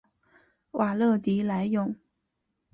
瓦勒迪莱永。